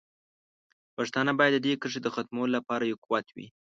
پښتانه باید د دې کرښې د ختمولو لپاره یو قوت وي.